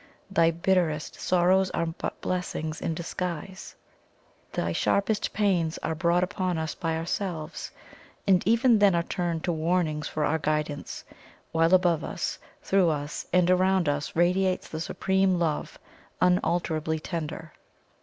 thy bitterest sorrows are but blessings in disguise; thy sharpest pains are brought upon us by ourselves, and even then are turned to warnings for our guidance; while above us, through us, and around us radiates the Supreme Love, unalterably tender!